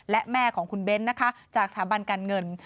และแม่ของคุณเบ้นนะคะจากสถาบันการเงิน